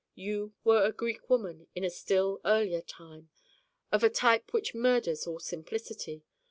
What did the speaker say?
You were a Greek woman in a still earlier time of a type which murders all simplicity.